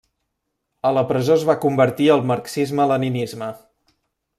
A la presó es va convertir al marxisme-leninisme.